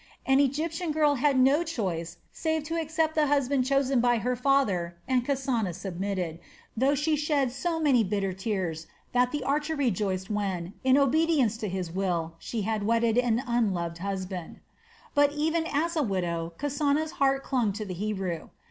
An Egyptian girl had no choice save to accept the husband chosen by her father and Kasana submitted, though she shed so many bitter tears that the archer rejoiced when, in obedience to his will, she had wedded an unloved husband. But even as a widow Kasana's heart clung to the Hebrew.